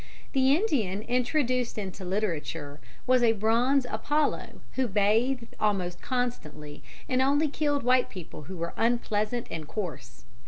The Indian introduced into literature was a bronze Apollo who bathed almost constantly and only killed white people who were unpleasant and coarse.